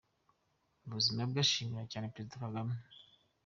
Mu buzima bwe ashimira cyane Perezida Kagame.